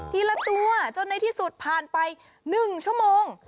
ละตัวจนในที่สุดผ่านไป๑ชั่วโมง